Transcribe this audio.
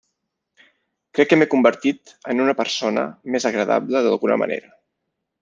Crec que m'he convertit en una persona més agradable d'alguna manera.